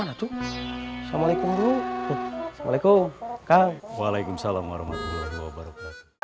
assalamualaikum waalaikumsalam warahmatullah